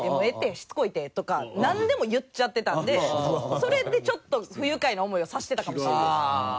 しつこいって」とかなんでも言っちゃってたんでそれでちょっと不愉快な思いをさせてたかもしれないです。